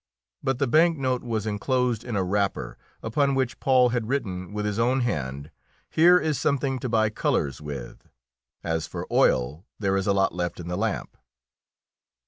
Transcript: But the bank note was enclosed in a wrapper, upon which Paul had written with his own hand, "Here is something to buy colours with; as for oil, there is a lot left in the lamp."